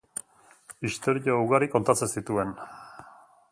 Istorio ugari kontatzen zituen.